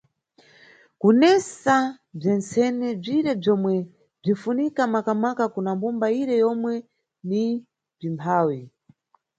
Kudetsa bzentsene bzire bzomwe bzinʼfunika makamaka kuna mbumba ire yomwe ni njimphawi.